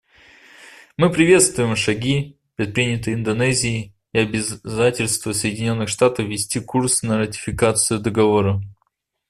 Мы приветствуем шаги, предпринятые Индонезией, и обязательство Соединенных Штатов вести курс на ратификацию Договора.